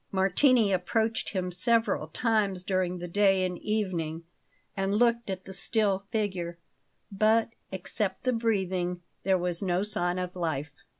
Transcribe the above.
Martini approached him several times during the day and evening, and looked at the still figure; but, except the breathing, there was no sign of life.